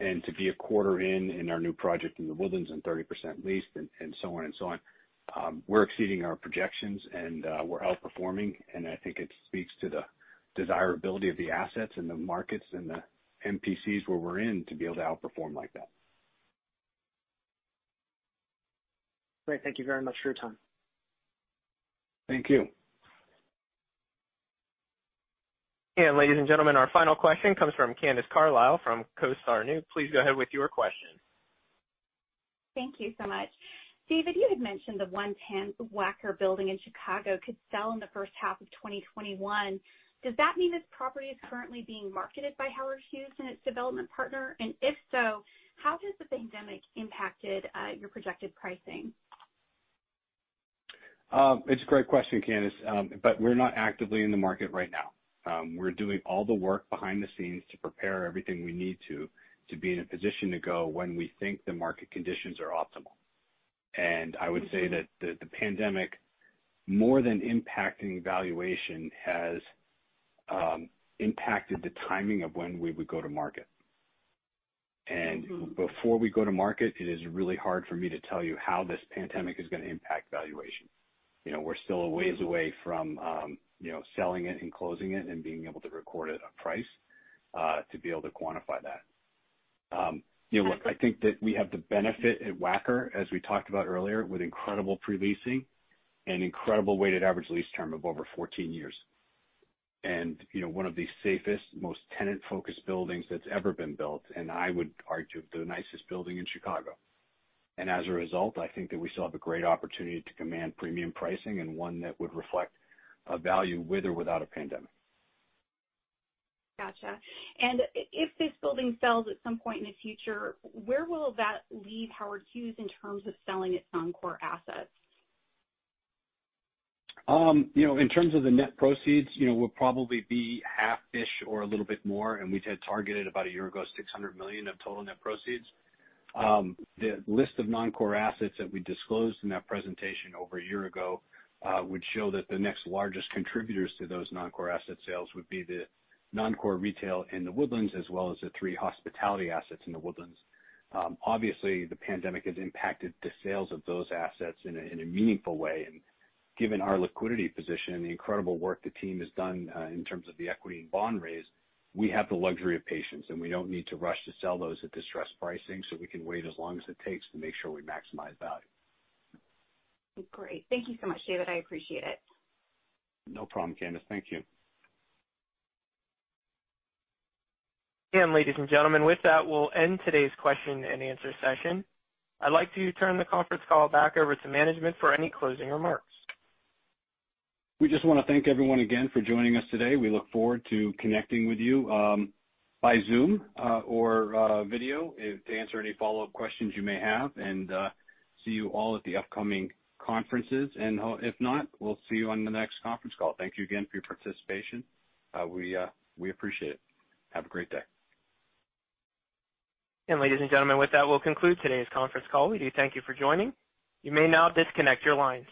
To be a quarter in in our new project in The Woodlands and 30% leased and so on and so on, we're exceeding our projections, and we're outperforming, and I think it speaks to the desirability of the assets and the markets and the MPCs where we're in to be able to outperform like that. Great. Thank you very much for your time. Thank you. Ladies and gentlemen, our final question comes from Candace Carlisle from CoStar News. Please go ahead with your question. Thank you so much. David, you had mentioned the 110 Wacker building in Chicago could sell in the first half of 2021. Does that mean this property is currently being marketed by Howard Hughes and its development partner? If so, how has the pandemic impacted your projected pricing? It's a great question, Candace. We're not actively in the market right now. We're doing all the work behind the scenes to prepare everything we need to be in a position to go when we think the market conditions are optimal. I would say that the pandemic, more than impacting valuation, has impacted the timing of when we would go to market. Before we go to market, it is really hard for me to tell you how this pandemic is going to impact valuation. We're still a ways away from selling it and closing it and being able to record it at price to be able to quantify that. Look, I think that we have the benefit at Wacker, as we talked about earlier, with incredible pre-leasing and incredible weighted average lease term of over 14 years. One of the safest, most tenant-focused buildings that's ever been built, and I would argue the nicest building in Chicago. As a result, I think that we still have a great opportunity to command premium pricing and one that would reflect a value with or without a pandemic. Got you. If this building sells at some point in the future, where will that leave Howard Hughes in terms of selling its non-core assets? In terms of the net proceeds, we'll probably be 1/2-ish or a little bit more. We had targeted about a year ago, $600 million of total net proceeds. The list of non-core assets that we disclosed in that presentation over a year ago would show that the next largest contributors to those non-core asset sales would be the non-core retail in The Woodlands, as well as the three hospitality assets in The Woodlands. Obviously, the pandemic has impacted the sales of those assets in a meaningful way. Given our liquidity position and the incredible work, the team has done in terms of the equity and bond raise, we have the luxury of patience, and we don't need to rush to sell those at distressed pricing. We can wait as long as it takes to make sure we maximize value. Great. Thank you so much, David. I appreciate it. No problem, Candace. Thank you. Ladies and gentlemen, with that, we'll end today's question and answer session. I'd like to turn the conference call back over to management for any closing remarks. We just want to thank everyone again for joining us today. We look forward to connecting with you by Zoom or video to answer any follow-up questions you may have. See you all at the upcoming conferences, and if not, we'll see you on the next conference call. Thank you again for your participation. We appreciate it. Have a great day. Ladies and gentlemen, with that, we'll conclude today's conference call. We do thank you for joining. You may now disconnect your lines.